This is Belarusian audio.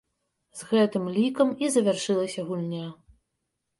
З гэтым лікам і завяршылася гульня.